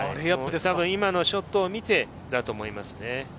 今のショットを見てだと思いますね。